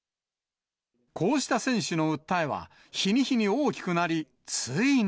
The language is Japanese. こうした選手の訴えは日に日に大きくなり、ついに。